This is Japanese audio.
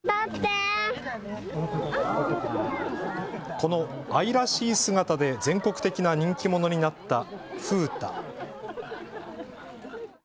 この愛らしい姿で全国的な人気者になった風太。